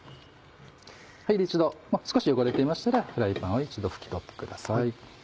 一度少し汚れていましたらフライパンを一度拭き取ってください。